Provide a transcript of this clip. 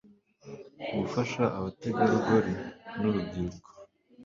gufasha abategarugori n urubyiruko